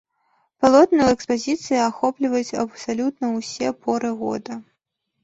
Палотны ў экспазіцыі ахопліваюць абсалютна ўсе поры года.